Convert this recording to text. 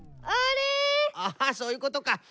ああそういうことか。